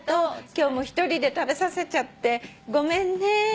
今日も１人で食べさせちゃってごめんね。